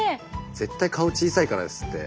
絶対顔小さいからですって。